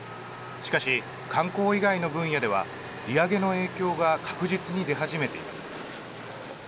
しかし、観光以外の分野では利上げの影響が確実に出始めています。